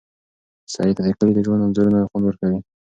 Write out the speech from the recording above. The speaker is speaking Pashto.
سعید ته د کلي د ژوند انځورونه خوند ورکوي.